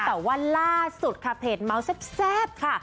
แต่ว่าล่าสุดค่ะเพจเมาส์แซ่บค่ะ